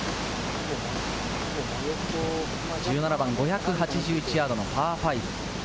１７番、５８１ヤードのパー５。